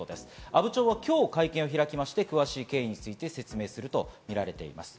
阿武町は今日会見を開きまして、詳しい経緯について説明するとみられています。